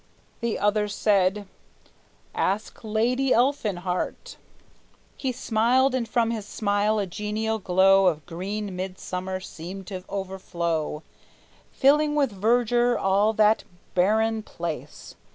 The other said: "Ask Lady Elfinhart!" He smiled, and from his smile a genial glow Of green mid summer seemed to overflow, Filling with verdure all that barren place.